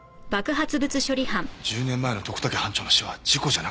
１０年前の徳武班長の死は事故じゃなかった？